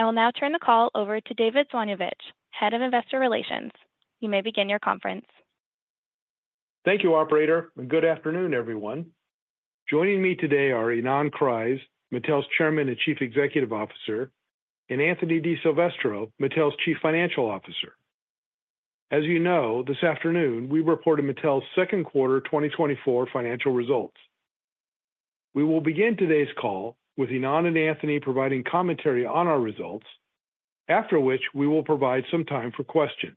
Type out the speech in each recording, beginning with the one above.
I will now turn the call over to David Zbojniewicz, Head of Investor Relations. You may begin your conference. Thank you, Operator, and good afternoon, everyone. Joining me today are Ynon Kreiz, Mattel's Chairman and Chief Executive Officer, and Anthony DiSilvestro, Mattel's Chief Financial Officer. As you know, this afternoon we reported Mattel's Second Quarter 2024 Financial Results. We will begin today's call with Ynon and Anthony providing commentary on our results, after which we will provide some time for questions.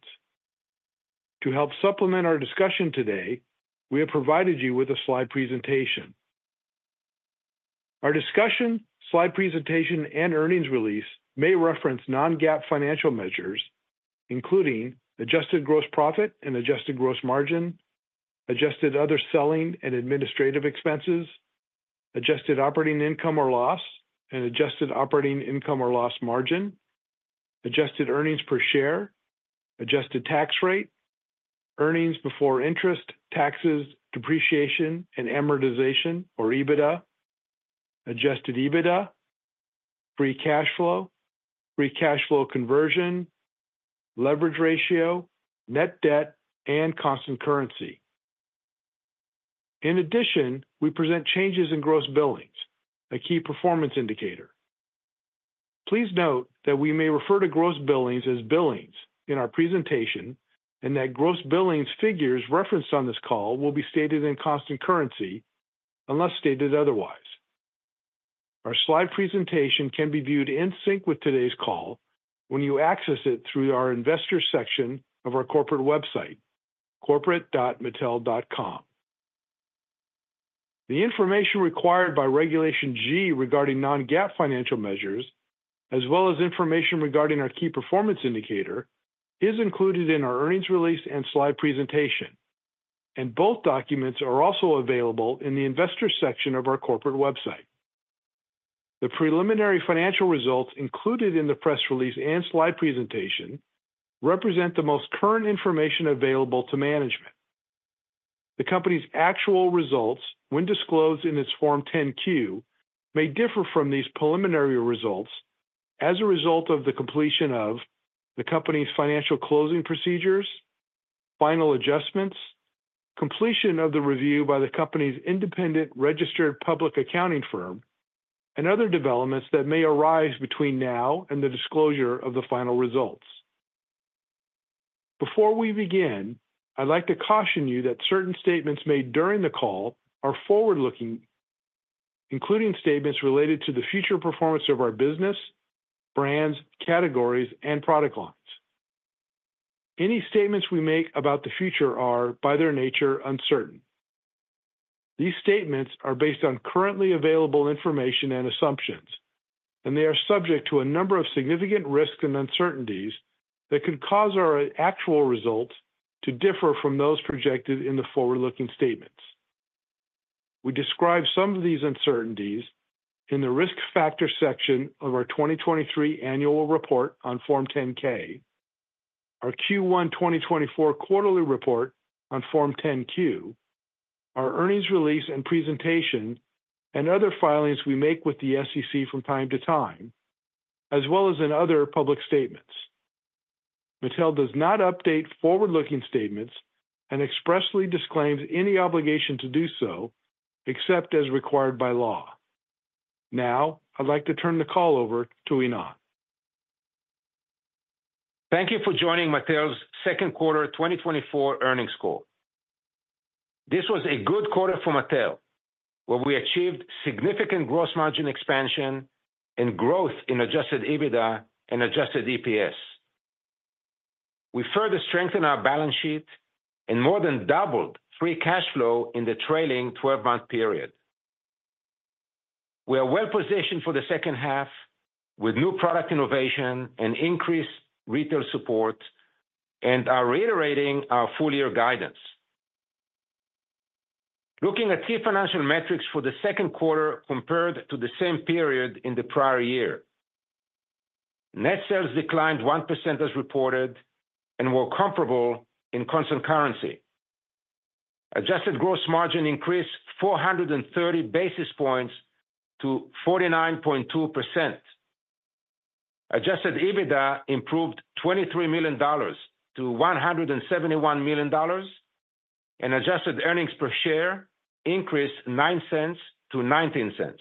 To help supplement our discussion today, we have provided you with a slide presentation. Our discussion, slide presentation, and earnings release may reference non-GAAP financial measures, including adjusted gross profit and adjusted gross margin, adjusted other selling and administrative expenses, adjusted operating income or loss and adjusted operating income or loss margin, adjusted earnings per share, adjusted tax rate, earnings before interest, taxes, depreciation, and amortization or EBITDA, adjusted EBITDA, free cash flow, free cash flow conversion, leverage ratio, net debt, and constant currency. In addition, we present changes in gross billings, a key performance indicator. Please note that we may refer to gross billings as billings in our presentation and that gross billings figures referenced on this call will be stated in constant currency unless stated otherwise. Our slide presentation can be viewed in sync with today's call when you access it through our Investor section of our corporate website, corporate.mattel.com. The information required by Regulation G regarding non-GAAP financial measures, as well as information regarding our key performance indicator, is included in our earnings release and slide presentation, and both documents are also available in the Investor section of our corporate website. The preliminary financial results included in the press release and slide presentation represent the most current information available to management. The company's actual results, when disclosed in its Form 10-Q, may differ from these preliminary results as a result of the completion of the company's financial closing procedures, final adjustments, completion of the review by the company's independent registered public accounting firm, and other developments that may arise between now and the disclosure of the final results. Before we begin, I'd like to caution you that certain statements made during the call are forward-looking, including statements related to the future performance of our business, brands, categories, and product lines. Any statements we make about the future are, by their nature, uncertain. These statements are based on currently available information and assumptions, and they are subject to a number of significant risks and uncertainties that could cause our actual results to differ from those projected in the forward-looking statements. We describe some of these uncertainties in the risk factor section of our 2023 annual report on Form 10-K, our Q1 2024 quarterly report on Form 10-Q, our earnings release and presentation, and other filings we make with the SEC from time to time, as well as in other public statements. Mattel does not update forward-looking statements and expressly disclaims any obligation to do so except as required by law. Now, I'd like to turn the call over to Ynon. Thank you for joining Mattel's second quarter 2024 earnings call. This was a good quarter for Mattel, where we achieved significant gross margin expansion and growth in Adjusted EBITDA and Adjusted EPS. We further strengthened our balance sheet and more than doubled free cash flow in the trailing 12-month period. We are well positioned for the second half with new product innovation and increased retail support, and are reiterating our full-year guidance. Looking at key financial metrics for the second quarter compared to the same period in the prior year, net sales declined 1% as reported and were comparable in constant currency. Adjusted gross margin increased 430 basis points to 49.2%. Adjusted EBITDA improved $23 million to $171 million, and Adjusted EPS increased $0.09 to $0.19.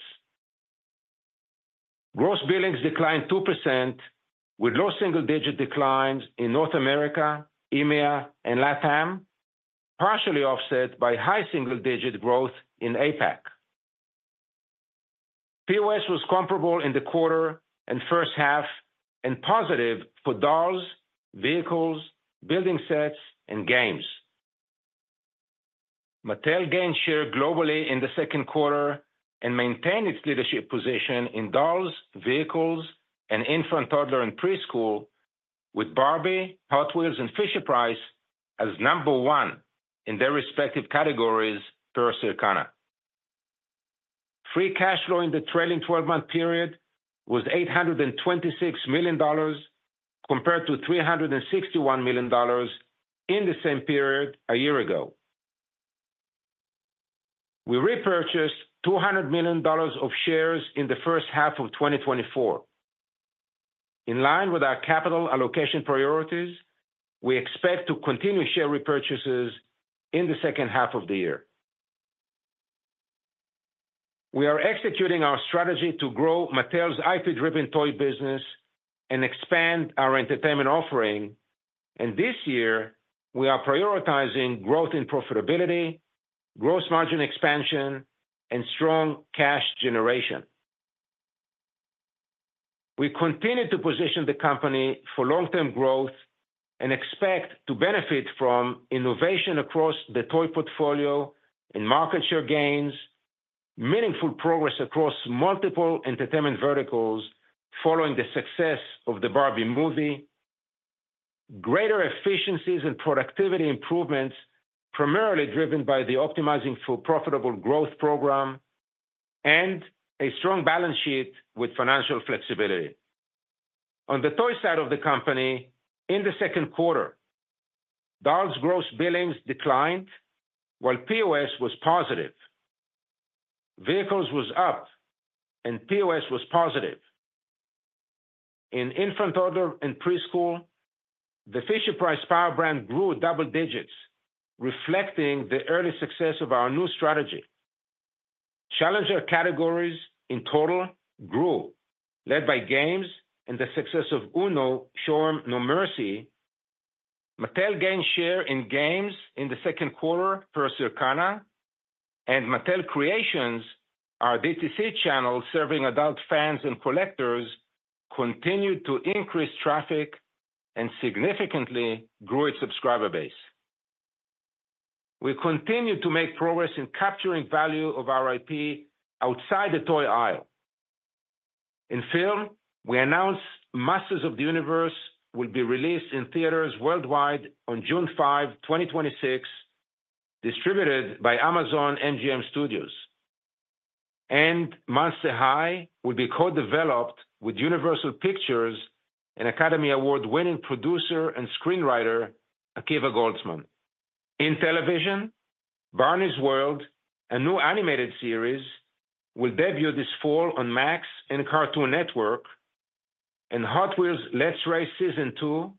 Gross billings declined 2%, with low single-digit declines in North America, EMEA, and LATAM, partially offset by high single-digit growth in APAC. POS was comparable in the quarter and first half and positive for dolls, vehicles, building sets, and games. Mattel gained share globally in the second quarter and maintained its leadership position in dolls, vehicles, and infant toddler and preschool, with Barbie, Hot Wheels, and Fisher-Price as number one in their respective categories, per Circana. Free cash flow in the trailing 12-month period was $826 million compared to $361 million in the same period a year ago. We repurchased $200 million of shares in the first half of 2024. In line with our capital allocation priorities, we expect to continue share repurchases in the second half of the year. We are executing our strategy to grow Mattel's IP-driven toy business and expand our entertainment offering, and this year we are prioritizing growth in profitability, gross margin expansion, and strong cash generation. We continue to position the company for long-term growth and expect to benefit from innovation across the toy portfolio and market share gains, meaningful progress across multiple entertainment verticals following the success of the Barbie movie. Greater efficiencies and productivity improvements primarily driven by the Optimizing for Profitable Growth program, and a strong balance sheet with financial flexibility. On the toy side of the company, in the second quarter, dolls' gross billings declined while POS was positive. Vehicles was up and POS was positive. In infant toddler and preschool, the Fisher-Price power brand grew double digits, reflecting the early success of our new strategy. Challenger categories in total grew, led by games and the success of UNO Show ’Em No Mercy. Mattel gained share in games in the second quarter per Circana, and Mattel Creations, our DTC channel serving adult fans and collectors, continued to increase traffic and significantly grew its subscriber base. We continue to make progress in capturing value of our IP outside the toy aisle. In film, we announced Masters of the Universe will be released in theaters worldwide on June 5, 2026, distributed by Amazon MGM Studios. Monster High will be co-developed with Universal Pictures and Academy Award-winning producer and screenwriter Akiva Goldsman. In television, Barney's World, a new animated series, will debut this fall on Max and Cartoon Network, and Hot Wheels: Let's Race Season 2,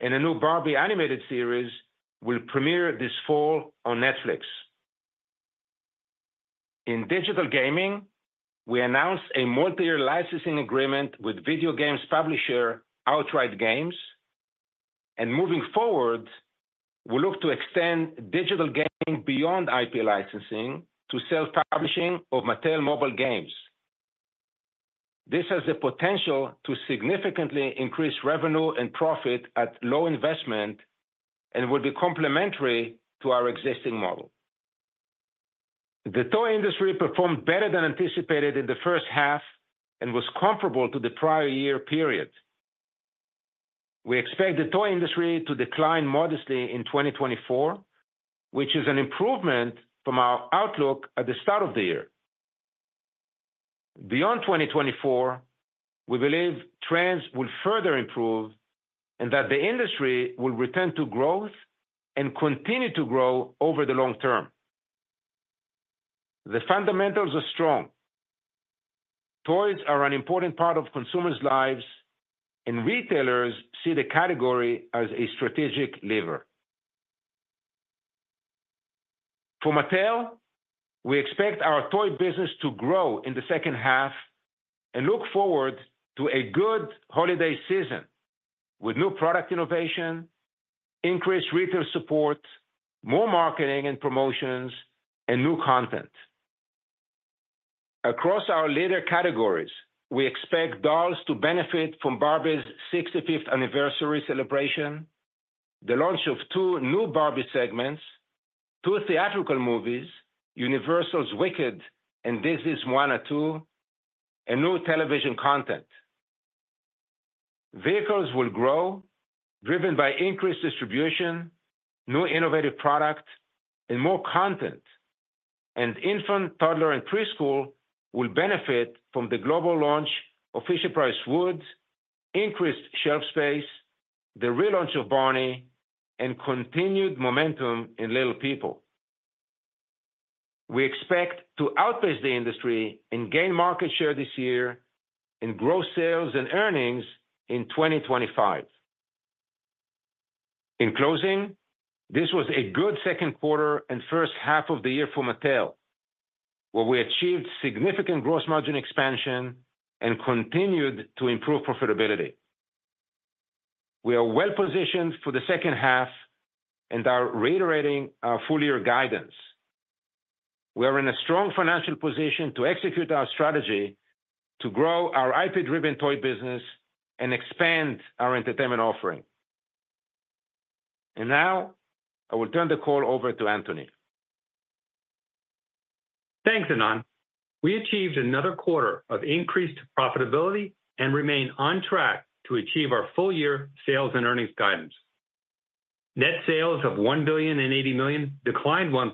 and a new Barbie animated series, will premiere this fall on Netflix. In digital gaming, we announced a multi-year licensing agreement with video games publisher Outright Games, and moving forward, we look to extend digital gaming beyond IP licensing to self-publishing of Mattel mobile games. This has the potential to significantly increase revenue and profit at low investment and will be complementary to our existing model. The toy industry performed better than anticipated in the first half and was comparable to the prior year period. We expect the toy industry to decline modestly in 2024, which is an improvement from our outlook at the start of the year. Beyond 2024, we believe trends will further improve and that the industry will return to growth and continue to grow over the long term. The fundamentals are strong. Toys are an important part of consumers' lives, and retailers see the category as a strategic lever. For Mattel, we expect our toy business to grow in the second half and look forward to a good holiday season with new product innovation, increased retail support, more marketing and promotions, and new content. Across our leader categories, we expect dolls to benefit from Barbie's 65th anniversary celebration, the launch of 2 new Barbie segments, 2 theatrical movies, Universal's Wicked and Moana 2, and new television content. Vehicles will grow, driven by increased distribution, new innovative product, and more content. And infant toddler and preschool will benefit from the global launch of Fisher-Price Wood, increased shelf space, the relaunch of Barney, and continued momentum in Little People. We expect to outpace the industry and gain market share this year and grow sales and earnings in 2025. In closing, this was a good second quarter and first half of the year for Mattel, where we achieved significant gross margin expansion and continued to improve profitability. We are well positioned for the second half and are reiterating our full-year guidance. We are in a strong financial position to execute our strategy to grow our IP-driven toy business and expand our entertainment offering. Now, I will turn the call over to Anthony. Thanks, Ynon. We achieved another quarter of increased profitability and remain on track to achieve our full-year sales and earnings guidance. Net sales of $1,080 million declined 1%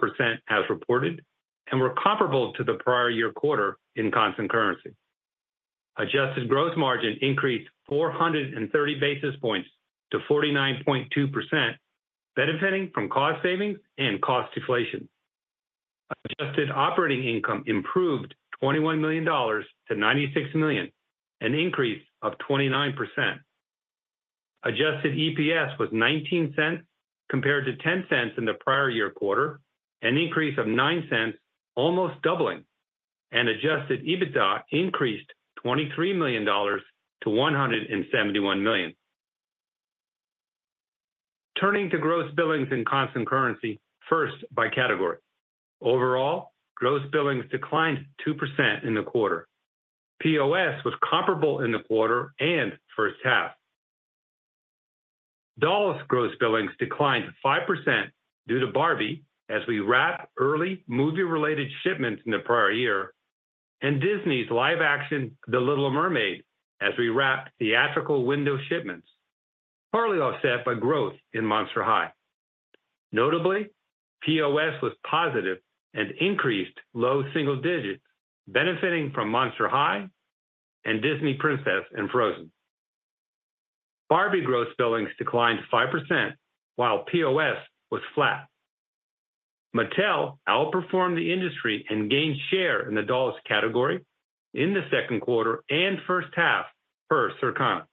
as reported and were comparable to the prior year quarter in constant currency. Adjusted gross margin increased 430 basis points to 49.2%, benefiting from cost savings and cost deflation. Adjusted operating income improved $21 million to $96 million, an increase of 29%. Adjusted EPS was $0.19 compared to $0.10 in the prior year quarter, an increase of $0.09, almost doubling, and adjusted EBITDA increased $23 million to $171 million. Turning to gross billings in constant currency, first by category. Overall, gross billings declined 2% in the quarter. POS was comparable in the quarter and first half. Dolls’ gross billings declined 5% due to Barbie as we wrapped early movie-related shipments in the prior year and Disney’s live-action The Little Mermaid as we wrapped theatrical window shipments, partly offset by growth in Monster High. Notably, POS was positive and increased low single digits, benefiting from Monster High and Disney Princess and Frozen. Barbie gross billings declined 5%, while POS was flat. Mattel outperformed the industry and gained share in the dolls category in the second quarter and first half per Circana.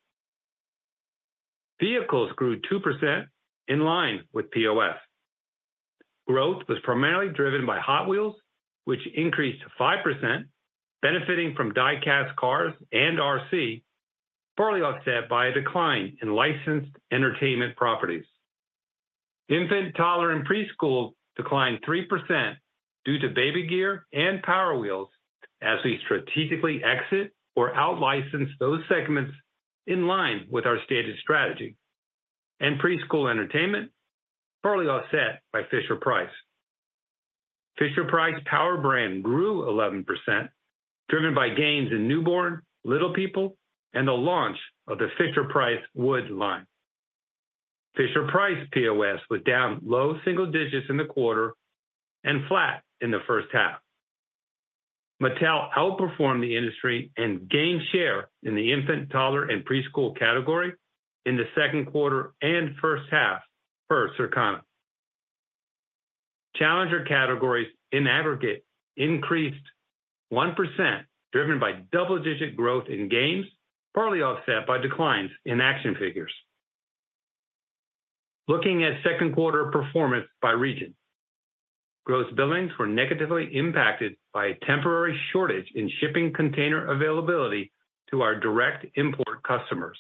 Vehicles grew 2% in line with POS. Growth was primarily driven by Hot Wheels, which increased 5%, benefiting from die-cast cars and RC, partly offset by a decline in licensed entertainment properties. Infant, toddler, and preschool declined 3% due to baby gear and Power Wheels as we strategically exit or out-license those segments in line with our stated strategy, and preschool entertainment, partly offset by Fisher-Price. Fisher-Price power brand grew 11%, driven by gains in newborn, Little People, and the launch of the Fisher-Price Wood line. Fisher-Price POS was down low single digits in the quarter and flat in the first half. Mattel outperformed the industry and gained share in the infant, toddler, and preschool category in the second quarter and first half per Circana. Challenger categories in aggregate increased 1%, driven by double-digit growth in games, partly offset by declines in action figures. Looking at second quarter performance by region, gross billings were negatively impacted by a temporary shortage in shipping container availability to our direct import customers.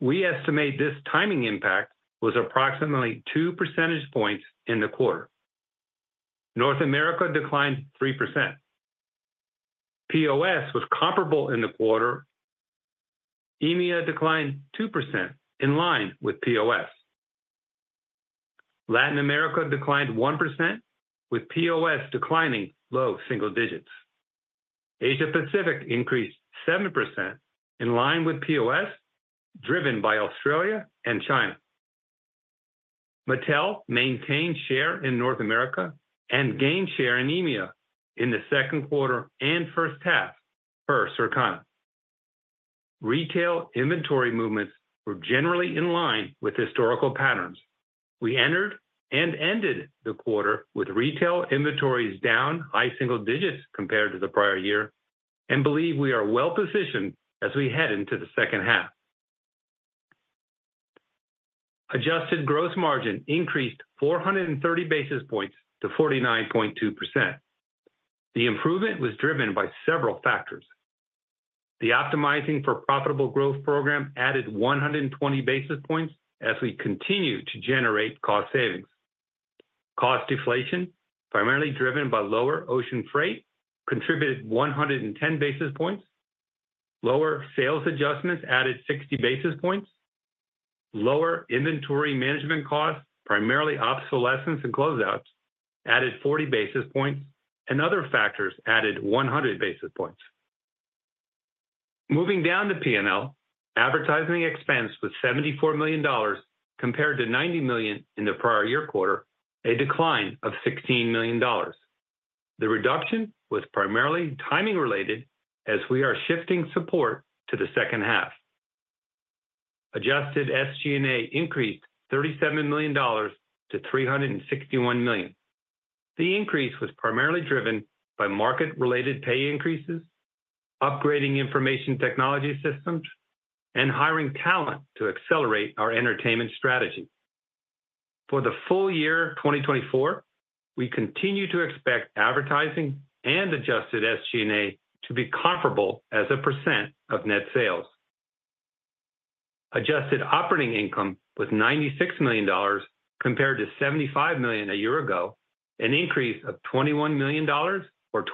We estimate this timing impact was approximately 2 percentage points in the quarter. North America declined 3%. POS was comparable in the quarter. EMEA declined 2% in line with POS. Latin America declined 1%, with POS declining low single digits. Asia-Pacific increased 7% in line with POS, driven by Australia and China. Mattel maintained share in North America and gained share in EMEA in the second quarter and first half per Circana. Retail inventory movements were generally in line with historical patterns. We entered and ended the quarter with retail inventories down high single digits compared to the prior year and believe we are well positioned as we head into the second half. Adjusted gross margin increased 430 basis points to 49.2%. The improvement was driven by several factors. The Optimizing for Profitable Growth program added 120 basis points as we continue to generate cost savings. Cost deflation, primarily driven by lower ocean freight, contributed 110 basis points. Lower sales adjustments added 60 basis points. Lower inventory management costs, primarily obsolescence and closeouts, added 40 basis points, and other factors added 100 basis points. Moving down to P&L, advertising expense was $74 million compared to $90 million in the prior year quarter, a decline of $16 million. The reduction was primarily timing-related as we are shifting support to the second half. Adjusted SG&A increased $37 million to $361 million. The increase was primarily driven by market-related pay increases, upgrading information technology systems, and hiring talent to accelerate our entertainment strategy. For the full year 2024, we continue to expect advertising and adjusted SG&A to be comparable as a percent of net sales. Adjusted operating income was $96 million compared to $75 million a year ago, an increase of $21 million or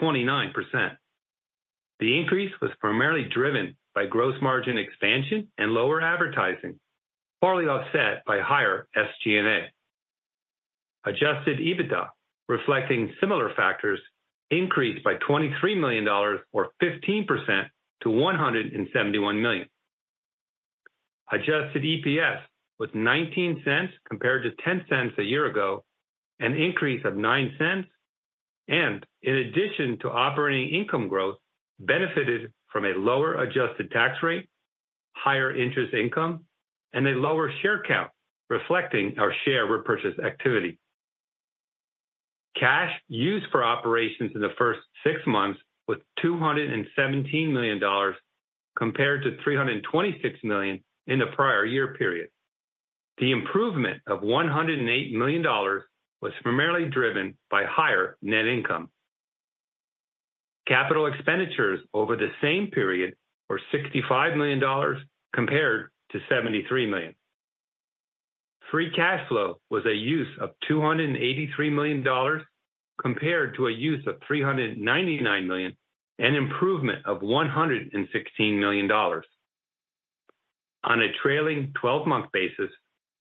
29%. The increase was primarily driven by gross margin expansion and lower advertising, partly offset by higher SG&A. Adjusted EBITDA, reflecting similar factors, increased by $23 million or 15% to $171 million. Adjusted EPS was $0.19 compared to $0.10 a year ago, an increase of $0.09, and in addition to operating income growth, benefited from a lower adjusted tax rate, higher interest income, and a lower share count, reflecting our share repurchase activity. Cash used for operations in the first six months was $217 million compared to $326 million in the prior year period. The improvement of $108 million was primarily driven by higher net income. Capital expenditures over the same period were $65 million compared to $73 million. Free cash flow was a use of $283 million compared to a use of $399 million and an improvement of $116 million. On a trailing 12-month basis,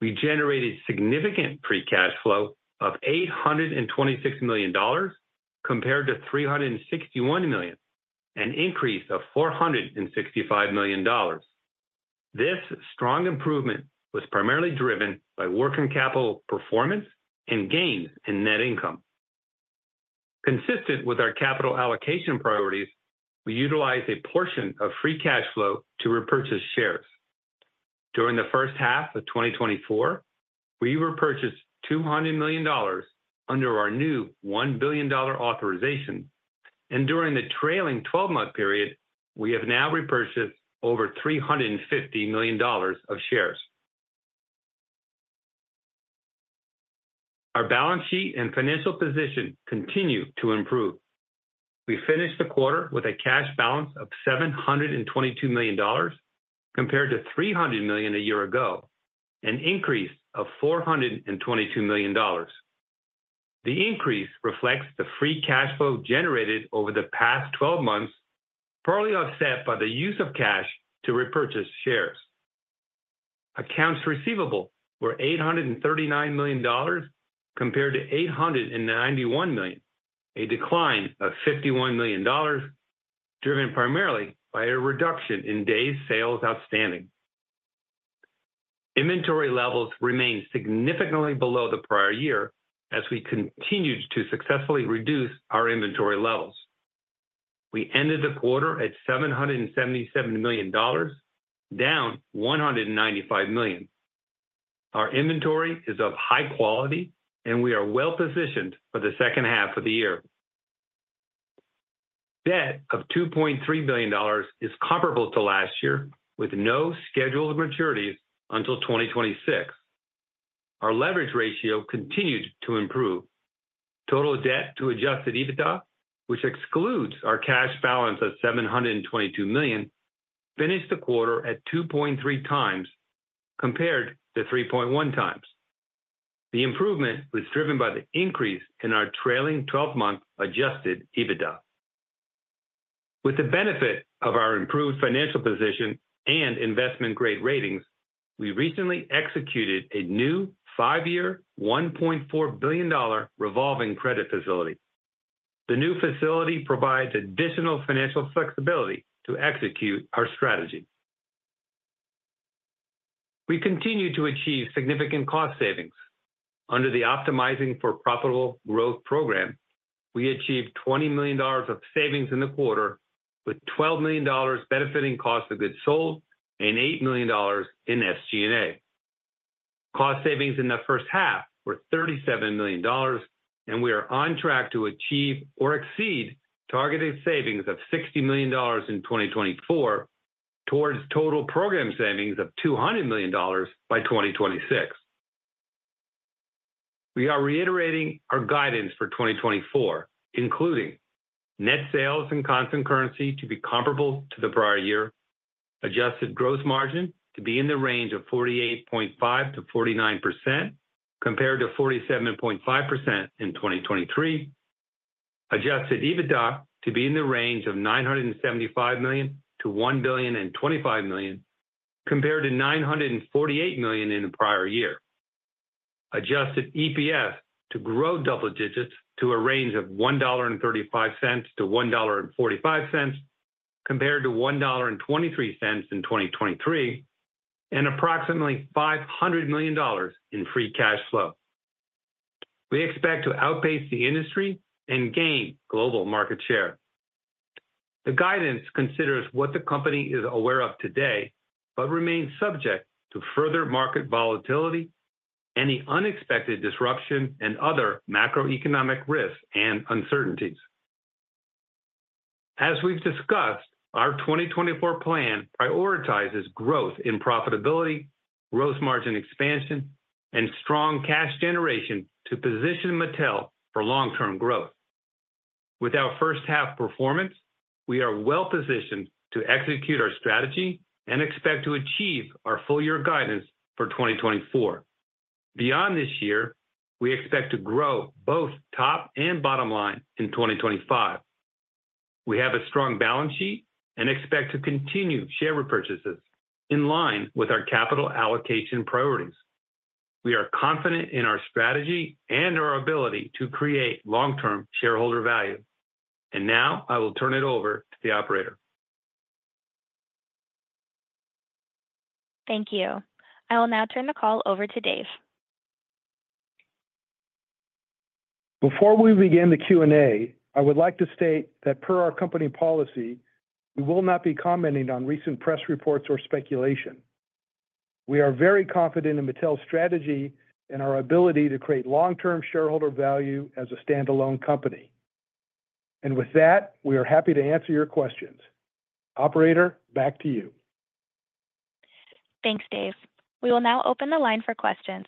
we generated significant free cash flow of $826 million compared to $361 million, an increase of $465 million. This strong improvement was primarily driven by working capital performance and gains in net income. Consistent with our capital allocation priorities, we utilized a portion of free cash flow to repurchase shares. During the first half of 2024, we repurchased $200 million under our new $1 billion authorization, and during the trailing 12-month period, we have now repurchased over $350 million of shares. Our balance sheet and financial position continue to improve. We finished the quarter with a cash balance of $722 million compared to $300 million a year ago, an increase of $422 million. The increase reflects the free cash flow generated over the past 12 months, partly offset by the use of cash to repurchase shares. Accounts receivable were $839 million compared to $891 million, a decline of $51 million, driven primarily by a reduction in Days Sales Outstanding. Inventory levels remained significantly below the prior year as we continued to successfully reduce our inventory levels. We ended the quarter at $777 million, down $195 million. Our inventory is of high quality, and we are well positioned for the second half of the year. Debt of $2.3 billion is comparable to last year, with no scheduled maturities until 2026. Our leverage ratio continued to improve. Total debt to Adjusted EBITDA, which excludes our cash balance of $722 million, finished the quarter at 2.3 times compared to 3.1 times. The improvement was driven by the increase in our trailing 12-month Adjusted EBITDA. With the benefit of our improved financial position and investment-grade ratings, we recently executed a new five-year $1.4 billion revolving credit facility. The new facility provides additional financial flexibility to execute our strategy. We continue to achieve significant cost savings. Under the Optimizing for Profitable Growth program, we achieved $20 million of savings in the quarter, with $12 million benefiting cost of goods sold and $8 million in SG&A. Cost savings in the first half were $37 million, and we are on track to achieve or exceed targeted savings of $60 million in 2024 towards total program savings of $200 million by 2026. We are reiterating our guidance for 2024, including net sales in constant currency to be comparable to the prior year, adjusted gross margin to be in the range of 48.5%-49% compared to 47.5% in 2023, adjusted EBITDA to be in the range of $975 million to $1, 025 million compared to $948 million in the prior year, adjusted EPS to grow double digits to a range of $1.35-$1.45 compared to $1.23 in 2023, and approximately $500 million in free cash flow. We expect to outpace the industry and gain global market share. The guidance considers what the company is aware of today but remains subject to further market volatility and the unexpected disruption and other macroeconomic risks and uncertainties. As we've discussed, our 2024 plan prioritizes growth in profitability, gross margin expansion, and strong cash generation to position Mattel for long-term growth. With our first half performance, we are well positioned to execute our strategy and expect to achieve our full-year guidance for 2024. Beyond this year, we expect to grow both top and bottom line in 2025. We have a strong balance sheet and expect to continue share repurchases in line with our capital allocation priorities. We are confident in our strategy and our ability to create long-term shareholder value. Now I will turn it over to the operator. Thank you. I will now turn the call over to Dave. Before we begin the Q&A, I would like to state that per our company policy, we will not be commenting on recent press reports or speculation. We are very confident in Mattel's strategy and our ability to create long-term shareholder value as a standalone company. With that, we are happy to answer your questions. Operator, back to you. Thanks, Dave. We will now open the line for questions.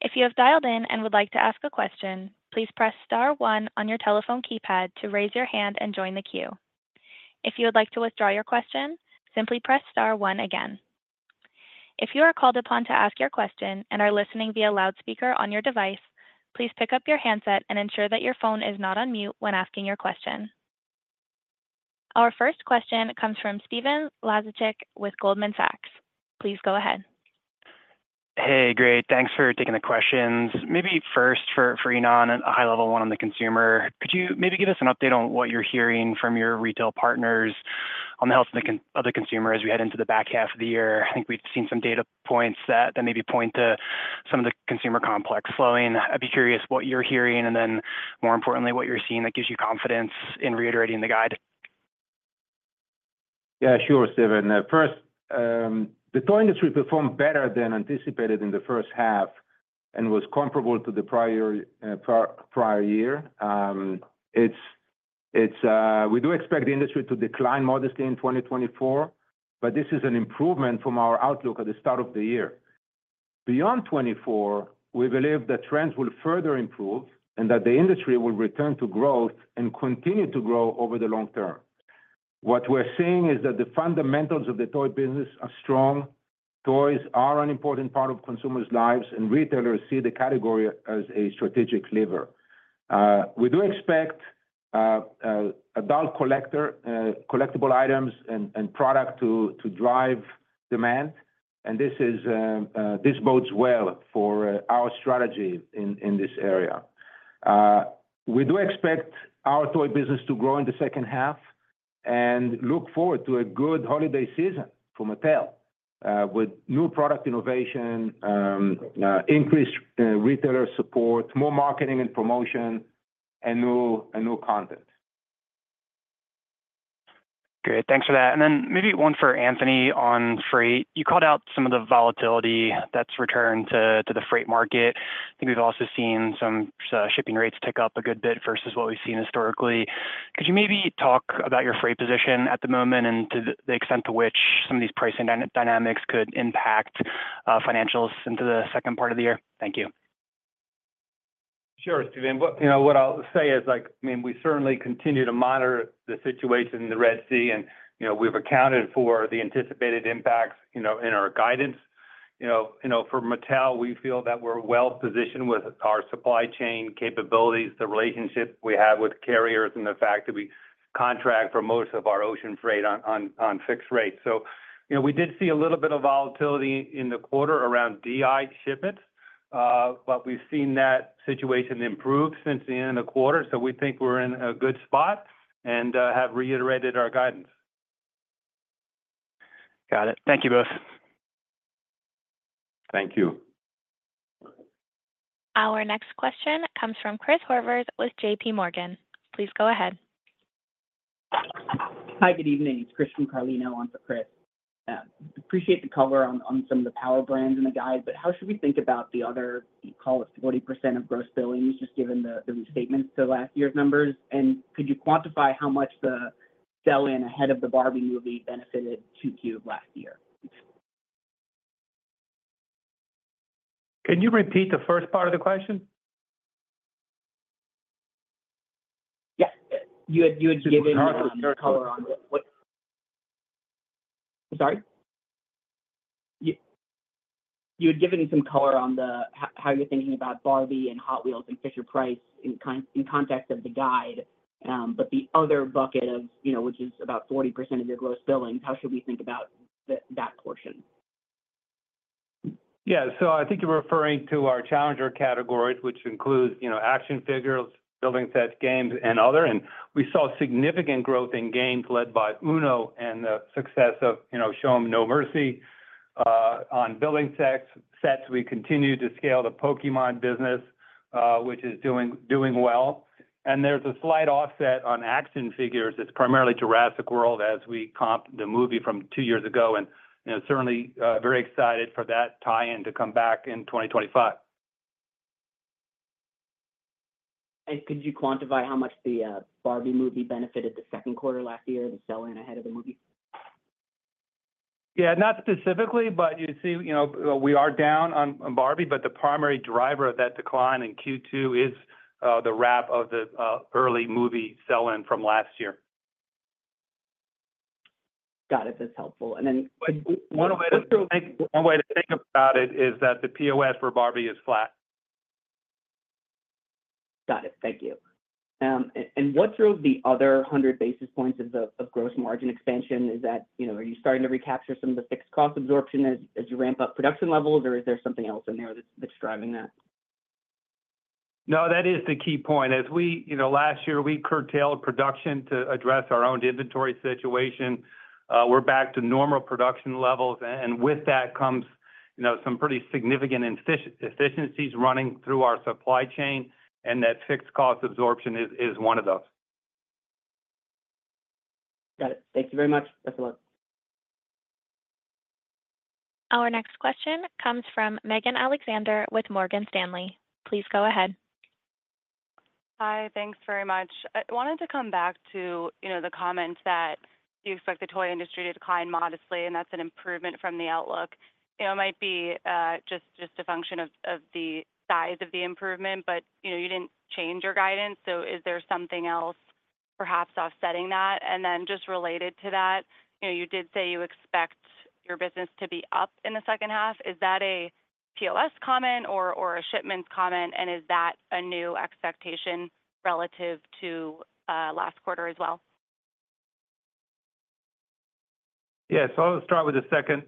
If you have dialed in and would like to ask a question, please press star one on your telephone keypad to raise your hand and join the queue. If you would like to withdraw your question, simply press star one again. If you are called upon to ask your question and are listening via loudspeaker on your device, please pick up your handset and ensure that your phone is not on mute when asking your question. Our first question comes from Stephen Laszczyk with Goldman Sachs. Please go ahead. Hey, great. Thanks for taking the questions. Maybe first for Ynon, a high-level one on the consumer. Could you maybe give us an update on what you're hearing from your retail partners on the health of the consumer as we head into the back half of the year? I think we've seen some data points that maybe point to some of the consumer complex slowing. I'd be curious what you're hearing and then, more importantly, what you're seeing that gives you confidence in reiterating the guide. Yeah, sure, Stephen. First, the toy industry performed better than anticipated in the first half and was comparable to the prior year. We do expect the industry to decline modestly in 2024, but this is an improvement from our outlook at the start of the year. Beyond 2024, we believe that trends will further improve and that the industry will return to growth and continue to grow over the long term. What we're seeing is that the fundamentals of the toy business are strong. Toys are an important part of consumers' lives, and retailers see the category as a strategic lever. We do expect adult collectible items and products to drive demand, and this bodes well for our strategy in this area. We do expect our toy business to grow in the second half and look forward to a good holiday season for Mattel with new product innovation, increased retailer support, more marketing and promotion, and new content. Great. Thanks for that. And then maybe one for Anthony on freight. You called out some of the volatility that's returned to the freight market. I think we've also seen some shipping rates tick up a good bit versus what we've seen historically. Could you maybe talk about your freight position at the moment and to the extent to which some of these pricing dynamics could impact financials into the second part of the year? Thank you. Sure, Stephen. What I'll say is, I mean, we certainly continue to monitor the situation in the Red Sea, and we've accounted for the anticipated impacts in our guidance. For Mattel, we feel that we're well positioned with our supply chain capabilities, the relationship we have with carriers, and the fact that we contract for most of our ocean freight on fixed rates. So we did see a little bit of volatility in the quarter around DI shipments, but we've seen that situation improve since the end of the quarter, so we think we're in a good spot and have reiterated our guidance. Got it. Thank you both. Thank you. Our next question comes from Chris Horvers with J.P. Morgan. Please go ahead. Hi, good evening. It's Christian Carlino on for Chris. Appreciate the cover on some of the power brands in the guide, but how should we think about the other call of 40% of gross billings just given the restatements to last year's numbers? And could you quantify how much the sell-in ahead of the Barbie movie benefited 2Q last year? Can you repeat the first part of the question? Yeah. You had given some color I'm sorry? You had given some color on how you're thinking about Barbie and Hot Wheels and Fisher-Price in context of the guide, but the other bucket of which is about 40% of your gross billings, how should we think about that portion? Yeah. So I think you're referring to our challenger categories, which includes action figures, building sets, games, and other. We saw significant growth in games led by UNO and the success of UNO Show ’Em No Mercy in building sets. We continue to scale the Pokémon business, which is doing well. There's a slight offset on action figures. It's primarily Jurassic World as we comp the movie from two years ago and certainly very excited for that tie-in to come back in 2025. Could you quantify how much the Barbie movie benefited the second quarter last year, the sell-in ahead of the movie? Yeah, not specifically, but you see we are down on Barbie, but the primary driver of that decline in Q2 is the wrap of the early movie sell-in from last year. Got it. That's helpful. Then... One way to think about it is that the POS for Barbie is flat. Got it. Thank you. What drove the other 100 basis points of gross margin expansion? Are you starting to recapture some of the fixed cost absorption as you ramp up production levels, or is there something else in there that's driving that? No, that is the key point. Last year, we curtailed production to address our own inventory situation. We're back to normal production levels, and with that comes some pretty significant efficiencies running through our supply chain, and that fixed cost absorption is one of those. Got it. Thank you very much. That's a lot. Our next question comes from Megan Alexander with Morgan Stanley. Please go ahead. Hi, thanks very much. I wanted to come back to the comment that you expect the toy industry to decline modestly, and that's an improvement from the outlook. It might be just a function of the size of the improvement, but you didn't change your guidance. So is there something else perhaps offsetting that? And then just related to that, you did say you expect your business to be up in the second half. Is that a POS comment or a shipments comment, and is that a new expectation relative to last quarter as well? Yes. I'll start with the second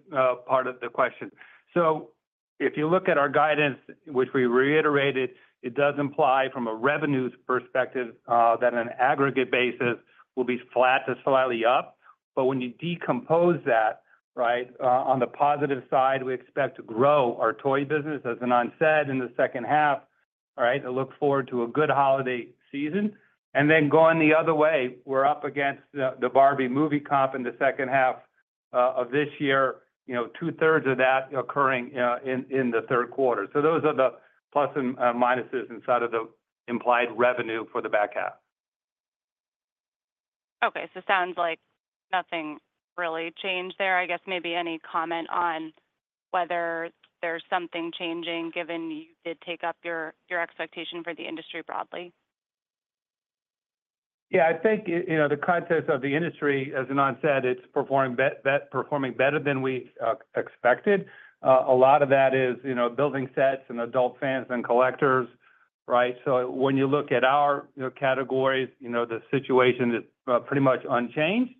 part of the question. So if you look at our guidance, which we reiterated, it does imply from a revenues perspective that on an aggregate basis will be flat to slightly up. But when you decompose that, right, on the positive side, we expect to grow our toy business, as Ynon said, in the second half, right, and look forward to a good holiday season. And then going the other way, we're up against the Barbie movie comp in the second half of this year, two-thirds of that occurring in the third quarter. So those are the pluses and minuses inside of the implied revenue for the back half. Okay. So it sounds like nothing really changed there. I guess maybe any comment on whether there's something changing given you did take up your expectation for the industry broadly? Yeah. I think the context of the industry, as Ynon said, it's performing better than we expected. A lot of that is building sets and adult fans and collectors, right? So when you look at our categories, the situation is pretty much unchanged,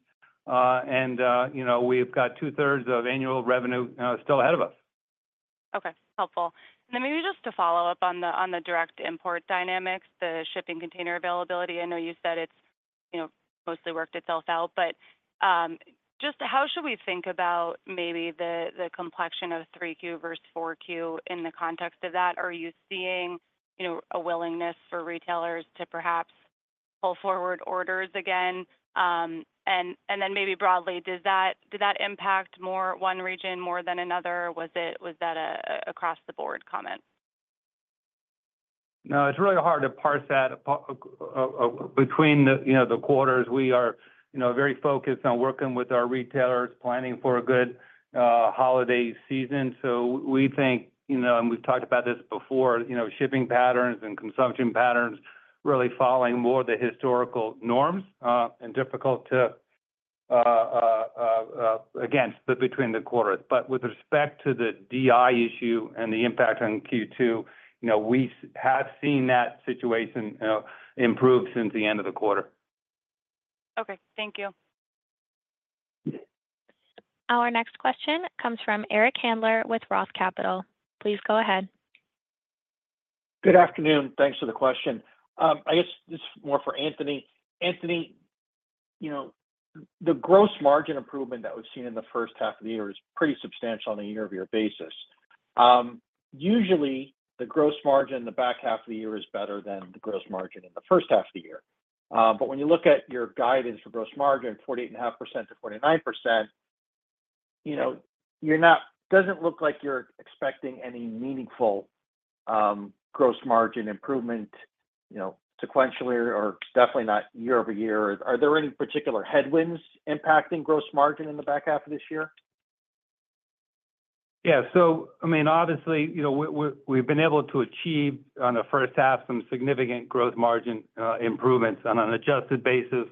and we've got two-thirds of annual revenue still ahead of us. Okay. Helpful. And then maybe just to follow up on the direct import dynamics, the shipping container availability, I know you said it's mostly worked itself out, but just how should we think about maybe the complexion of 3Q versus 4Q in the context of that? Are you seeing a willingness for retailers to perhaps pull forward orders again? And then maybe broadly, did that impact one region more than another? Was that an across-the-board comment? No, it's really hard to parse that between the quarters. We are very focused on working with our retailers, planning for a good holiday season. So we think, and we've talked about this before, shipping patterns and consumption patterns really following more of the historical norms and difficult to, again, split between the quarters. But with respect to the DI issue and the impact on Q2, we have seen that situation improve since the end of the quarter. Okay. Thank you. Our next question comes from Eric Handler with ROTH Capital. Please go ahead. Good afternoon. Thanks for the question. I guess this is more for Anthony. Anthony, the gross margin improvement that we've seen in the first half of the year is pretty substantial on a year-over-year basis. Usually, the gross margin in the back half of the year is better than the gross margin in the first half of the year. But when you look at your guidance for gross margin, 48.5%-49%, it doesn't look like you're expecting any meaningful gross margin improvement sequentially or definitely not year-over-year. Are there any particular headwinds impacting gross margin in the back half of this year? Yeah. So, I mean, obviously, we've been able to achieve on the first half some significant gross margin improvements on an adjusted basis.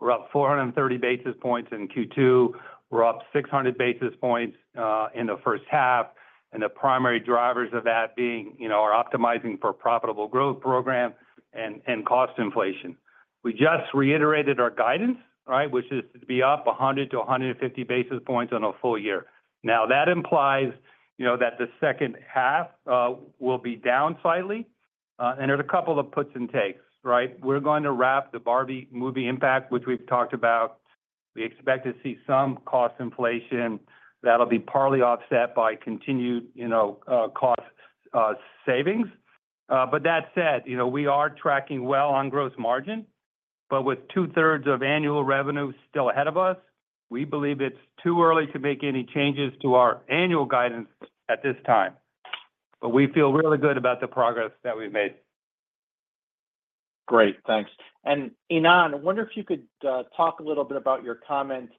We're up 430 basis points in Q2. We're up 600 basis points in the first half, and the primary drivers of that are Optimizing for Profitable Growth programs and cost inflation. We just reiterated our guidance, right, which is to be up 100-150 basis points on a full year. Now, that implies that the second half will be down slightly, and there's a couple of puts and takes, right? We're going to wrap the Barbie movie impact, which we've talked about. We expect to see some cost inflation that'll be partly offset by continued cost savings. But that said, we are tracking well on gross margin, but with two-thirds of annual revenue still ahead of us, we believe it's too early to make any changes to our annual guidance at this time. But we feel really good about the progress that we've made. Great. Thanks. And Ynon, I wonder if you could talk a little bit about your comment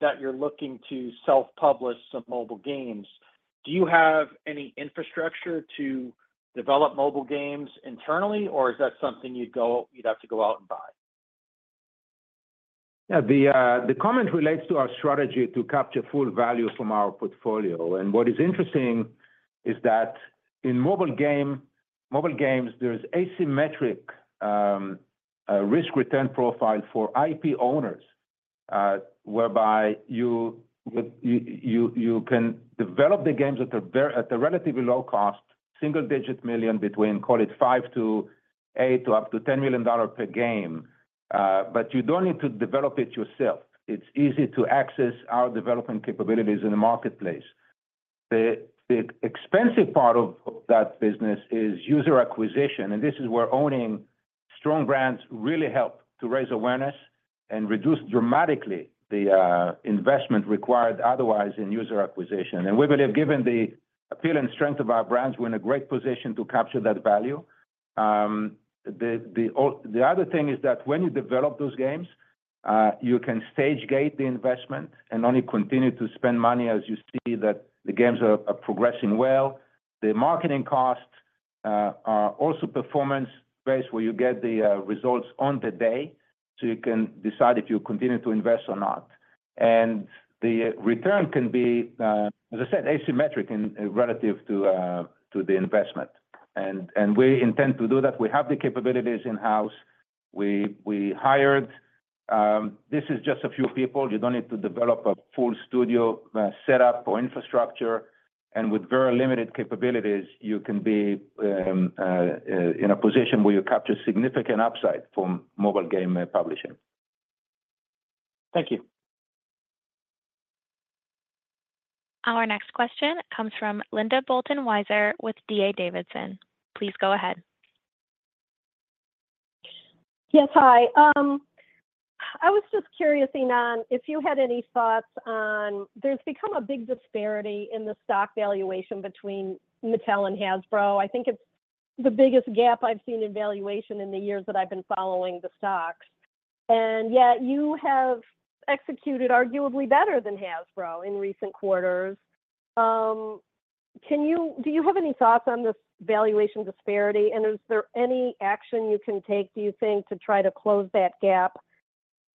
that you're looking to self-publish some mobile games. Do you have any infrastructure to develop mobile games internally, or is that something you'd have to go out and buy? Yeah. The comment relates to our strategy to capture full value from our portfolio. And what is interesting is that in mobile games, there's asymmetric risk-return profile for IP owners, whereby you can develop the games at a relatively low cost, single-digit million between, call it $5-$8 million, up to $10 million per game. You don't need to develop it yourself. It's easy to access our development capabilities in the marketplace. The expensive part of that business is user acquisition, and this is where owning strong brands really helps to raise awareness and reduce dramatically the investment required otherwise in user acquisition. We believe, given the appeal and strength of our brands, we're in a great position to capture that value. The other thing is that when you develop those games, you can stage-gate the investment and only continue to spend money as you see that the games are progressing well. The marketing costs are also performance-based where you get the results on the day, so you can decide if you continue to invest or not. The return can be, as I said, asymmetric relative to the investment. We intend to do that. We have the capabilities in-house. This is just a few people. You don't need to develop a full studio setup or infrastructure. And with very limited capabilities, you can be in a position where you capture significant upside from mobile game publishing. Thank you. Our next question comes from Linda Bolton Weiser with D.A. Davidson. Please go ahead. Yes. Hi. I was just curious, Ynon, if you had any thoughts on there's become a big disparity in the stock valuation between Mattel and Hasbro. I think it's the biggest gap I've seen in valuation in the years that I've been following the stocks. And yet you have executed arguably better than Hasbro in recent quarters. Do you have any thoughts on this valuation disparity, and is there any action you can take, do you think, to try to close that gap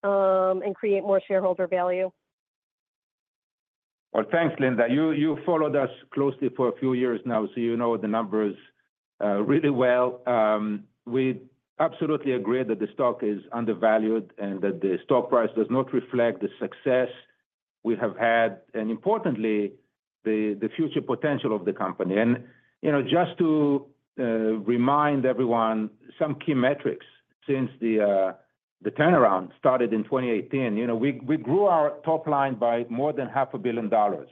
and create more shareholder value? Well, thanks, Linda. You followed us closely for a few years now, so you know the numbers really well. We absolutely agree that the stock is undervalued and that the stock price does not reflect the success we have had, and importantly, the future potential of the company. And just to remind everyone, some key metrics since the turnaround started in 2018. We grew our top line by more than $500 million.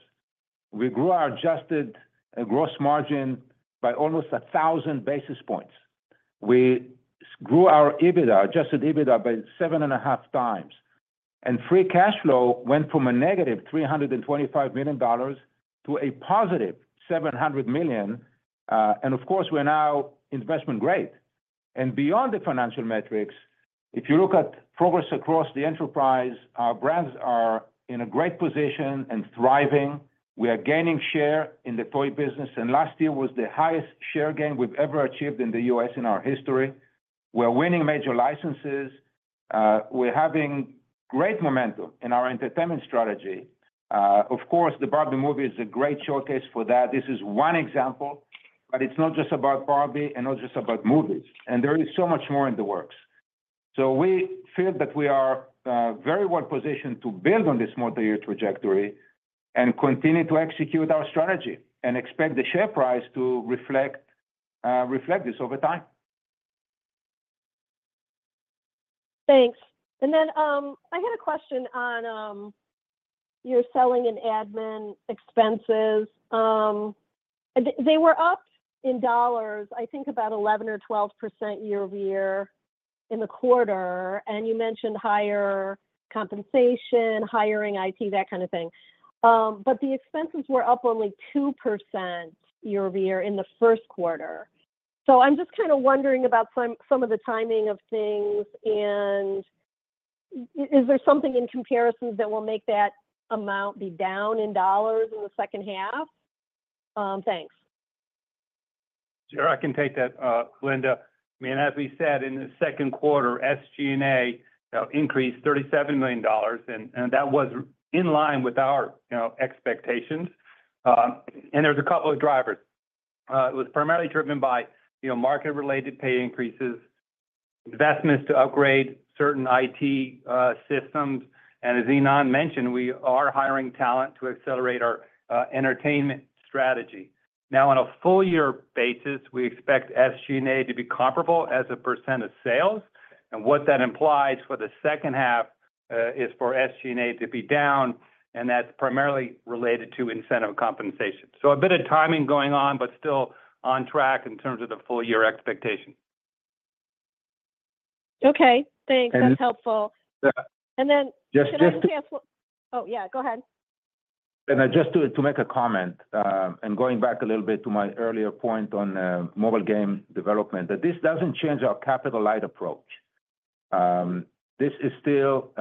We grew our adjusted gross margin by almost 1,000 basis points. We grew our EBITDA, adjusted EBITDA, by 7.5 times. And free cash flow went from a negative $325 million to a positive $700 million. And of course, we're now investment-grade. And beyond the financial metrics, if you look at progress across the enterprise, our brands are in a great position and thriving. We are gaining share in the toy business, and last year was the highest share gain we've ever achieved in the U.S. in our history. We're winning major licenses. We're having great momentum in our entertainment strategy. Of course, the Barbie movie is a great showcase for that. This is one example, but it's not just about Barbie and not just about movies. And there is so much more in the works. So we feel that we are very well positioned to build on this multi-year trajectory and continue to execute our strategy and expect the share price to reflect this over time. Thanks. And then I had a question on your selling and admin expenses. They were up in dollars, I think, about 11% or 12% year-over-year in the quarter, and you mentioned higher compensation, hiring, IT, that kind of thing. But the expenses were up only 2% year-over-year in the first quarter. So I'm just kind of wondering about some of the timing of things, and is there something in comparison that will make that amount be down in dollars in the second half? Thanks. Sure. I can take that, Linda. I mean, as we said, in the second quarter, SG&A increased $37 million, and that was in line with our expectations. And there's a couple of drivers. It was primarily driven by market-related pay increases, investments to upgrade certain IT systems. And as Ynon mentioned, we are hiring talent to accelerate our entertainment strategy. Now, on a full-year basis, we expect SG&A to be comparable as a percent of sales. And what that implies for the second half is for SG&A to be down, and that's primarily related to incentive compensation. So a bit of timing going on, but still on track in terms of the full-year expectation. Okay. Thanks. That's helpful. Oh, yeah. Go ahead. And I just do it to make a comment. And going back a little bit to my earlier point on mobile game development, that this doesn't change our capital-light approach. This is still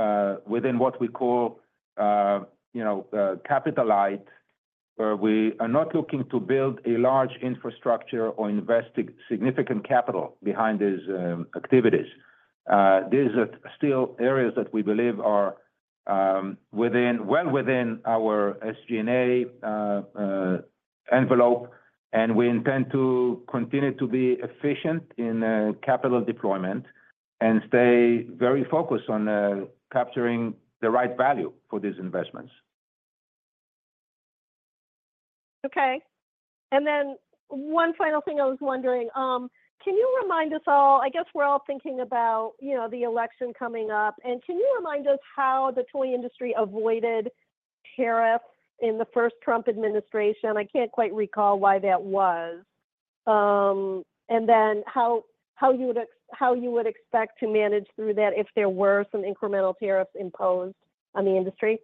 within what we call capital-light, where we are not looking to build a large infrastructure or invest significant capital behind these activities. These are still areas that we believe are well within our SG&A envelope, and we intend to continue to be efficient in capital deployment and stay very focused on capturing the right value for these investments. Okay. And then one final thing I was wondering. Can you remind us all- I guess we're all thinking about the election coming up. Can you remind us how the toy industry avoided tariffs in the first Trump administration? I can't quite recall why that was. Then how you would expect to manage through that if there were some incremental tariffs imposed on the industry?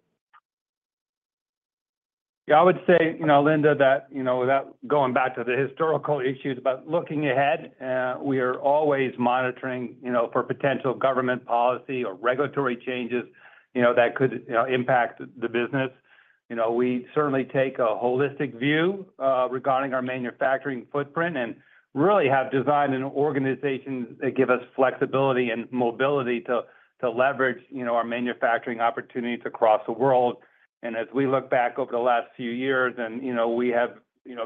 Yeah. I would say, Linda, that without going back to the historical issues, but looking ahead, we are always monitoring for potential government policy or regulatory changes that could impact the business. We certainly take a holistic view regarding our manufacturing footprint and really have designed an organization that gives us flexibility and mobility to leverage our manufacturing opportunities across the world. As we look back over the last few years, we have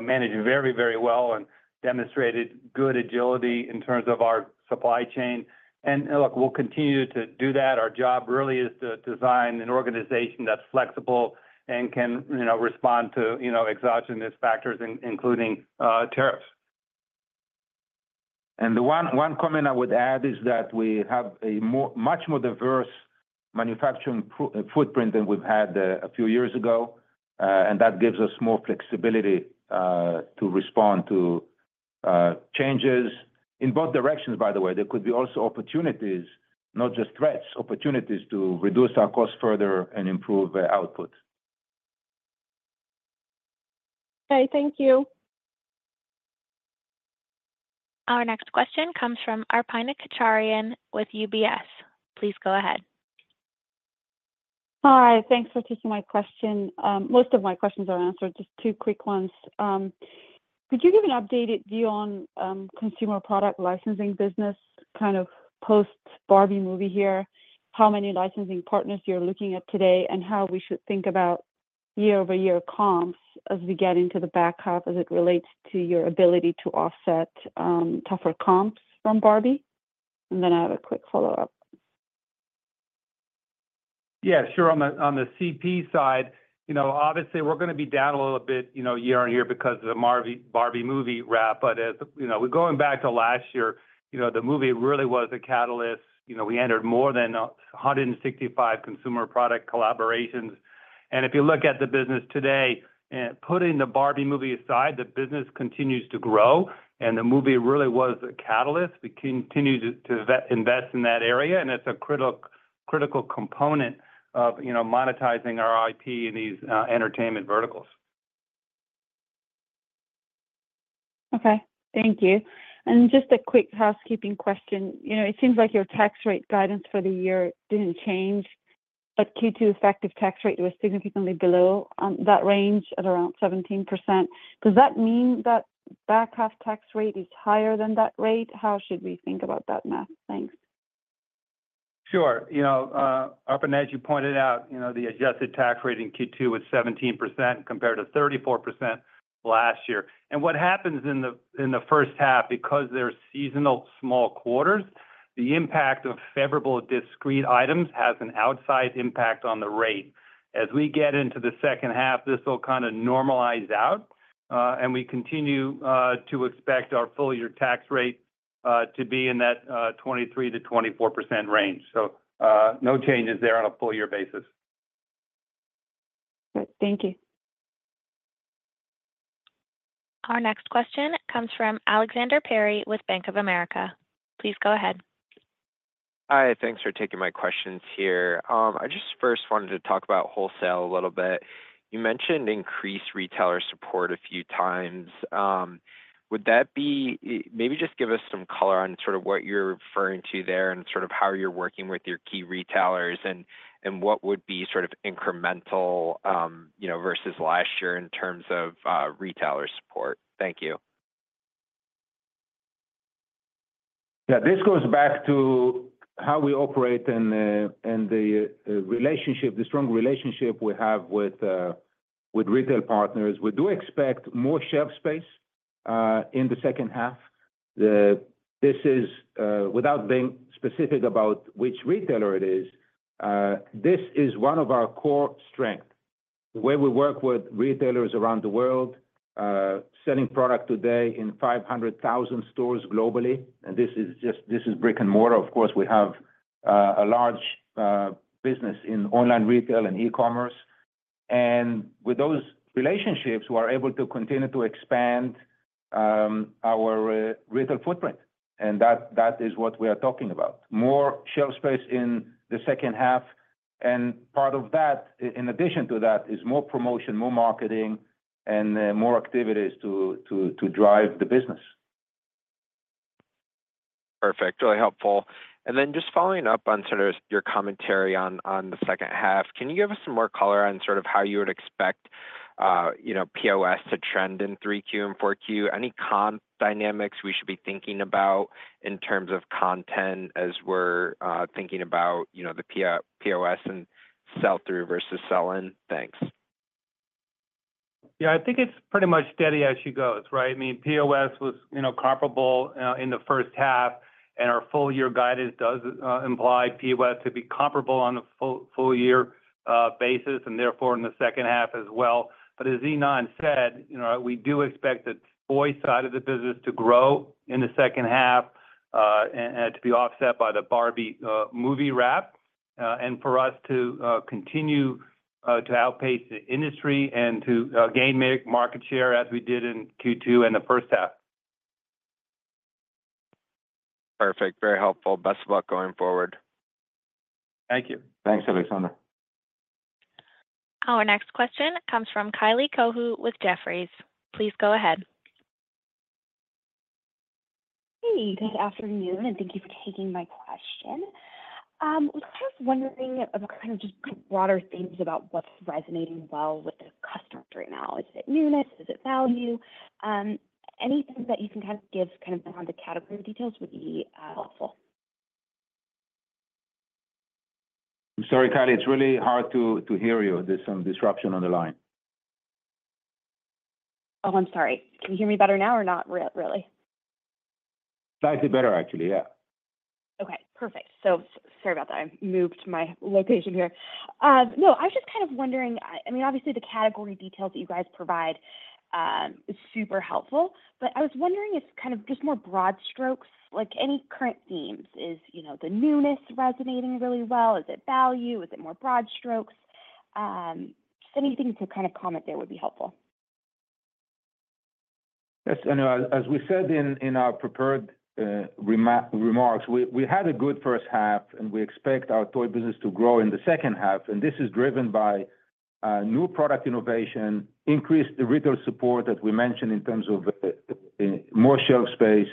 managed very, very well and demonstrated good agility in terms of our supply chain. Look, we'll continue to do that. Our job really is to design an organization that's flexible and can respond to exogenous factors, including tariffs. One comment I would add is that we have a much more diverse manufacturing footprint than we've had a few years ago, and that gives us more flexibility to respond to changes. In both directions, by the way, there could be also opportunities, not just threats, opportunities to reduce our cost further and improve output. Okay. Thank you. Our next question comes from Arpine Kocharian with UBS. Please go ahead. Hi. Thanks for taking my question. Most of my questions are answered. Just two quick ones. Could you give an updated view on the consumer product licensing business, kind of post-Barbie movie here, how many licensing partners you're looking at today, and how we should think about year-over-year comps as we get into the back half as it relates to your ability to offset tougher comps from Barbie? And then I have a quick follow-up. Yeah, Sure. On the CP side, obviously, we're going to be down a little bit year-on-year because of the Barbie movie wrap. But going back to last year, the movie really was a catalyst. We entered more than 165 consumer product collaborations. And if you look at the business today, putting the Barbie movie aside, the business continues to grow, and the movie really was a catalyst. We continue to invest in that area, and it's a critical component of monetizing our IP in these entertainment verticals. Okay. Thank you. Just a quick housekeeping question. It seems like your tax rate guidance for the year didn't change, but Q2 effective tax rate was significantly below that range at around 17%. Does that mean that back half tax rate is higher than that rate? How should we think about that math? Thanks. Sure. Arpine, as you pointed out, the adjusted tax rate in Q2 was 17% compared to 34% last year. And what happens in the first half, because there are seasonal small quarters, the impact of favorable discrete items has an outsized impact on the rate. As we get into the second half, this will kind of normalize out, and we continue to expect our full-year tax rate to be in that 23%-24% range. So no changes there on a full-year basis. Thank you. Our next question comes from Alexander Perry with Bank of America. Please go ahead. Hi. Thanks for taking my questions here. I just first wanted to talk about wholesale a little bit. You mentioned increased retailer support a few times. Would that be maybe just give us some color on sort of what you're referring to there and sort of how you're working with your key retailers and what would be sort of incremental versus last year in terms of retailer support? Thank you. Yeah. This goes back to how we operate and the strong relationship we have with retail partners. We do expect more shelf space in the second half. This is, without being specific about which retailer it is, this is one of our core strengths. The way we work with retailers around the world, selling product today in 500,000 stores globally, and this is brick and mortar. Of course, we have a large business in online retail and e-commerce. And with those relationships, we are able to continue to expand our retail footprint. And that is what we are talking about: more shelf space in the second half. And part of that, in addition to that, is more promotion, more marketing, and more activities to drive the business. Perfect. Really helpful. And then just following up on sort of your commentary on the second half, can you give us some more color on sort of how you would expect POS to trend in 3Q and 4Q? Any comp dynamics we should be thinking about in terms of content as we're thinking about the POS and sell-through versus sell-in? Thanks. Yeah. I think it's pretty much steady as she goes, right? I mean, POS was comparable in the first half, and our full-year guidance does imply POS to be comparable on a full-year basis and therefore in the second half as well. But as Ynon said, we do expect the toy side of the business to grow in the second half and to be offset by the Barbie movie wrap and for us to continue to outpace the industry and to gain market share as we did in Q2 and the first half. Perfect. Very helpful. Best of luck going forward. Thank you. Thanks, Alexander. Our next question comes from Kylie Cohu with Jefferies. Please go ahead. Hey. Good afternoon, and thank you for taking my question. I was just wondering about kind of just broader themes about what's resonating well with the customers right now. Is it newness? Is it value? Anything that you can kind of give kind of on the category details would be helpful. I'm sorry, Kylie. It's really hard to hear you. There's some disruption on the line. Oh, I'm sorry. Can you hear me better now or not really? Slightly better, actually. Yeah. Okay. Perfect. So sorry about that. I moved my location here. No, I was just kind of wondering- I mean, obviously, the category details that you guys provide are super helpful, but I was wondering if kind of just more broad strokes, like any current themes. Is the newness resonating really well? Is it value? Is it more broad strokes? Just anything to kind of comment there would be helpful. As we said in our prepared remarks, we had a good first half, and we expect our toy business to grow in the second half. This is driven by new product innovation, increased retail support that we mentioned in terms of more shelf space,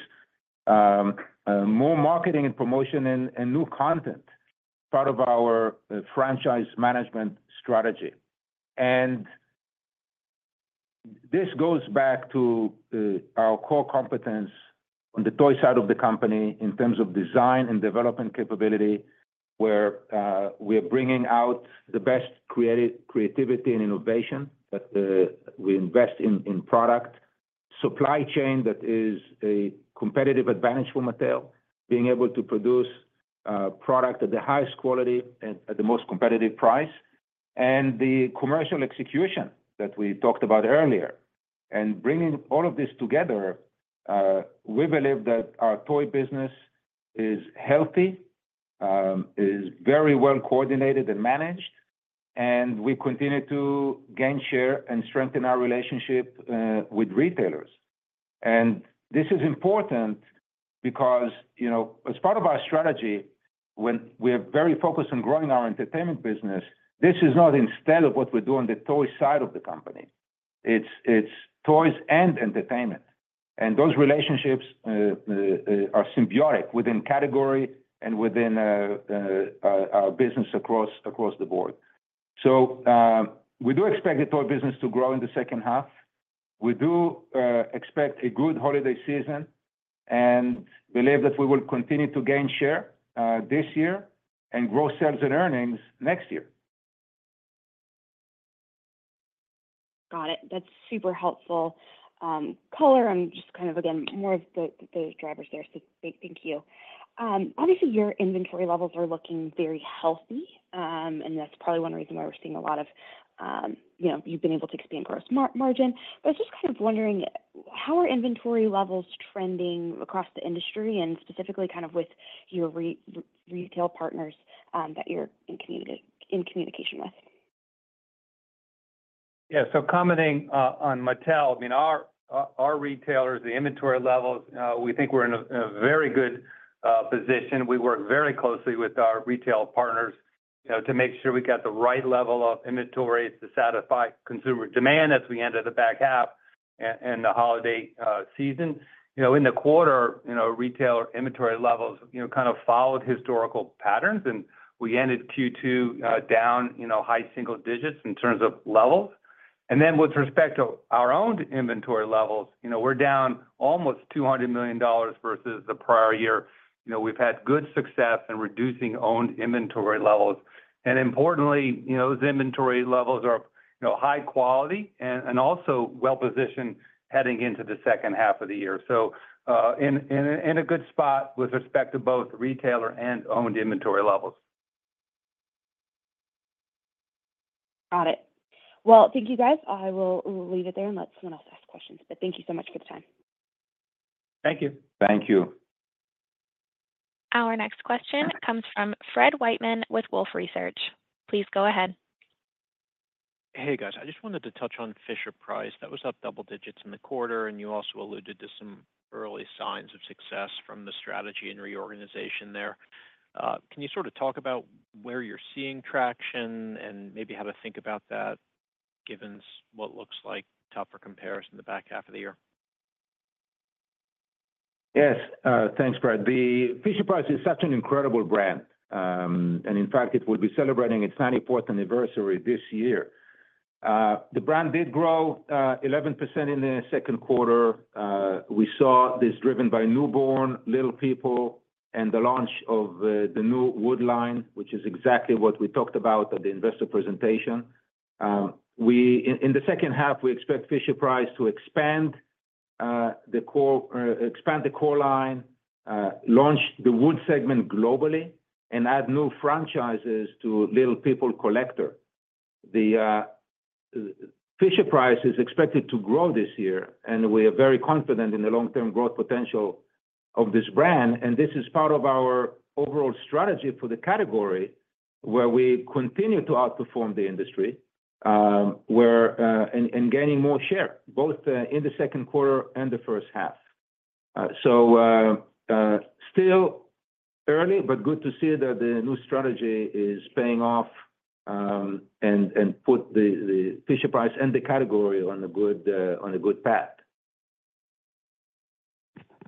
more marketing and promotion, and new content, part of our franchise management strategy. This goes back to our core competence on the toy side of the company in terms of design and development capability, where we are bringing out the best creativity and innovation that we invest in product, supply chain that is a competitive advantage for Mattel, being able to produce product at the highest quality and at the most competitive price, and the commercial execution that we talked about earlier. Bringing all of this together, we believe that our toy business is healthy, is very well coordinated and managed, and we continue to gain share and strengthen our relationship with retailers. And this is important because as part of our strategy, when we are very focused on growing our entertainment business, this is not instead of what we do on the toy side of the company. It's toys and entertainment. And those relationships are symbiotic within category and within our business across the board. So we do expect the toy business to grow in the second half. We do expect a good holiday season and believe that we will continue to gain share this year and grow sales and earnings next year. Got it. That's super helpful color. And just kind of, again, more of the drivers there. So thank you. Obviously, your inventory levels are looking very healthy, and that's probably one reason why we're seeing a lot, you've been able to expand gross margin. But I was just kind of wondering, how are inventory levels trending across the industry and specifically kind of with your retail partners that you're in communication with? Yeah. So commenting on Mattel, I mean, our retailers, the inventory levels, we think we're in a very good position. We work very closely with our retail partners to make sure we got the right level of inventory to satisfy consumer demand as we enter the back half and the holiday season. In the quarter, retail inventory levels kind of followed historical patterns, and we ended Q2 down high single digits in terms of levels. And then with respect to our owned inventory levels, we're down almost $200 million versus the prior year. We've had good success in reducing owned inventory levels. And importantly, those inventory levels are high quality and also well-positioned heading into the second half of the year. So in a good spot with respect to both retailer and owned inventory levels. Got it. Well, thank you, guys. I will leave it there and let someone else ask questions. But thank you so much for the time. Thank you. Thank you. Our next question comes from Fred Wightman with Wolfe Research. Please go ahead. Hey, guys. I just wanted to touch on Fisher-Price. That was up double digits in the quarter, and you also alluded to some early signs of success from the strategy and reorganization there. Can you sort of talk about where you're seeing traction and maybe how to think about that given what looks like tougher comparison in the back half of the year? Yes. Thanks, Fred. The Fisher-Price is such an incredible brand. And in fact, it will be celebrating its 94th anniversary this year. The brand did grow 11% in the second quarter. We saw this driven by newborn, Little People and the launch of the new Wood line, which is exactly what we talked about at the investor presentation. In the second half, we expect Fisher-Price to expand the core line, launch the Wood segment globally, and add new franchises to Little People Collector. Fisher-Price is expected to grow this year, and we are very confident in the long-term growth potential of this brand. This is part of our overall strategy for the category where we continue to outperform the industry and gaining more share both in the second quarter and the first half. Still early, but good to see that the new strategy is paying off and put Fisher-Price and the category on a good path.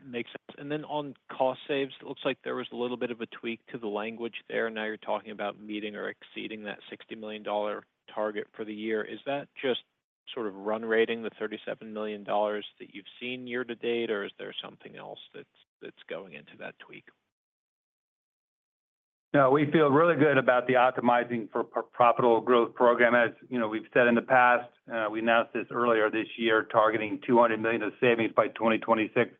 Makes sense. Then on cost saves, it looks like there was a little bit of a tweak to the language there. Now you're talking about meeting or exceeding that $60 million target for the year. Is that just sort of run rating the $37 million that you've seen year-to-date, or is there something else that's going into that tweak? No, we feel really good about the Optimizing for Profitable Growth program. As we've said in the past, we announced this earlier this year, targeting $200 million of savings by 2026.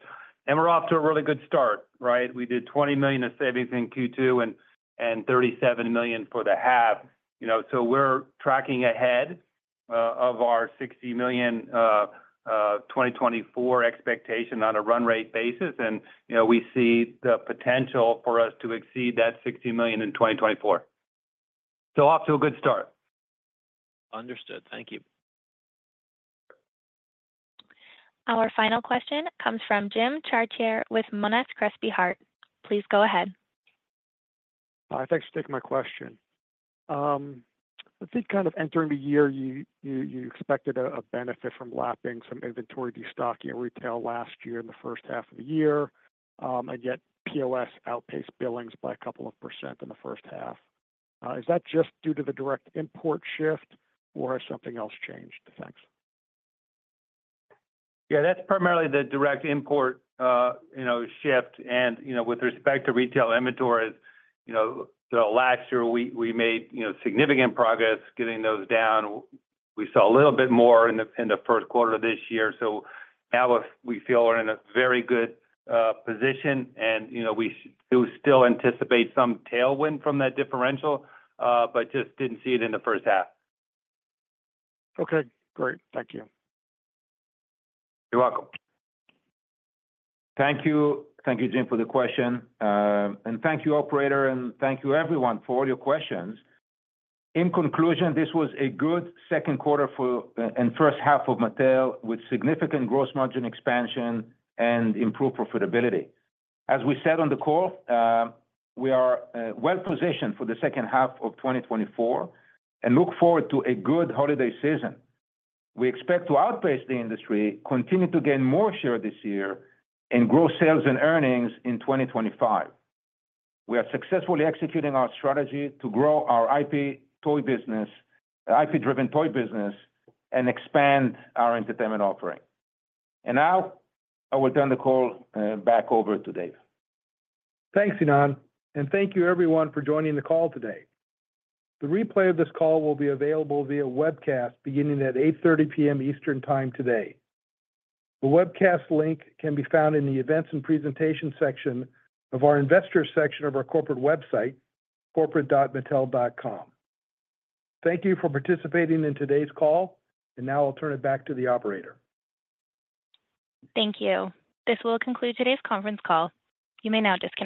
We're off to a really good start, right? We did $20 million of savings in Q2 and $37 million for the half. So we're tracking ahead of our $60 million 2024 expectation on a run rate basis. We see the potential for us to exceed that $60 million in 2024. So off to a good start. Understood. Thank you. Our final question comes from Jim Chartier with Monness, Crespi, Hardt & Co. Please go ahead. Hi. Thanks for taking my question. I think kind of entering the year, you expected a benefit from lapping some inventory destocking retail last year in the first half of the year, and yet POS outpaced billings by a couple of percent in the first half. Is that just due to the direct import shift, or has something else changed? Thanks. Yeah. That's primarily the direct import shift. And with respect to retail inventories, last year, we made significant progress getting those down. We saw a little bit more in the first quarter of this year. So now we feel we're in a very good position, and we still anticipate some tailwind from that differential, but just didn't see it in the first half. Okay. Great. Thank you. You're welcome. Thank you. Thank you, Jim, for the question. Thank you, operator, and thank you, everyone, for all your questions. In conclusion, this was a good second quarter and first half of Mattel with significant gross margin expansion and improved profitability. As we said on the call, we are well-positioned for the second half of 2024 and look forward to a good holiday season. We expect to outpace the industry, continue to gain more share this year, and grow sales and earnings in 2025. We are successfully executing our strategy to grow our IP-driven toy business and expand our entertainment offering. Now I will turn the call back over to Dave. Thanks, Ynon. Thank you, everyone, for joining the call today. The replay of this call will be available via webcast beginning at 8:30 P.M. Eastern Time today. The webcast link can be found in the events and presentation section of our investor section of our corporate website, corporate.mattel.com. Thank you for participating in today's call. Now I'll turn it back to the operator. Thank you. This will conclude today's conference call. You may now disconnect.